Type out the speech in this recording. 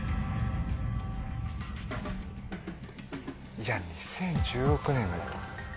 いや２０１６年の。